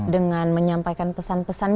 dengan menyampaikan pesan pesan